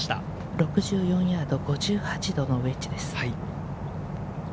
６４ヤード、５８度のウエッジです。